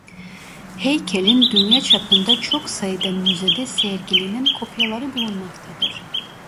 Heykelin dünya çapında çok sayıda müzede sergilenen kopyaları bulunmaktadır.